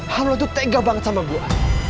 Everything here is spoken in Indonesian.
halo itu tega banget sama gua